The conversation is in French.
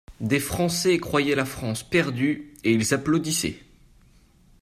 Des Français croyaient la France perdue, et ils applaudissaient.